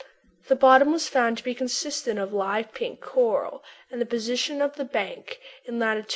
The bottom was found to consist of live pink coral, and the position of the bank in lat.